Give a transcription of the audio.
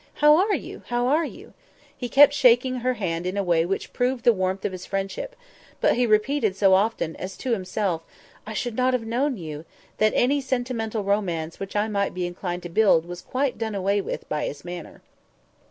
How are you? how are you?" He kept shaking her hand in a way which proved the warmth of his friendship; but he repeated so often, as if to himself, "I should not have known you!" that any sentimental romance which I might be inclined to build was quite done away with by his manner.